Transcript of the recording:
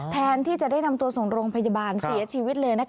แทนที่จะได้นำตัวส่งโรงพยาบาลเสียชีวิตเลย